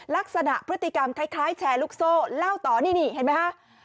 ลักษณะพฤติกรรมคล้ายแชร์ลูกโซ่เล่าต่อนี่นี่เห็นไหมคะ